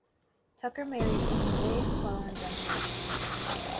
Tucker married on the day following graduation.